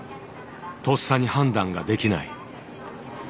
とっさに判断ができない。